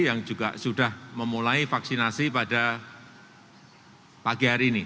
yang juga sudah memulai vaksinasi pada pagi hari ini